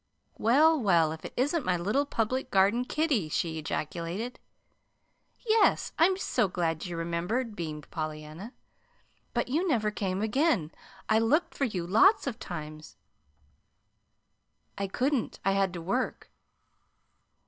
"Well, well, if it isn't my little Public Garden kiddie!" she ejaculated. "Yes. I'm so glad you remembered," beamed Pollyanna. "But you never came again. I looked for you lots of times." "I couldn't. I had to work.